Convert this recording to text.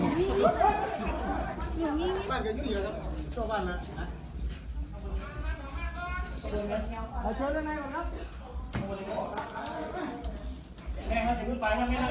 เอาข้อมากครับ